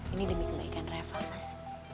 ini demi kebaikan reva mas